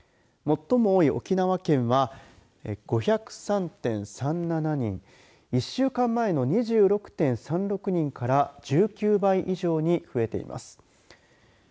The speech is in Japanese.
最も多い沖縄県は５０３．３７人１週間前の２６．３６人から１９倍以上に増えています。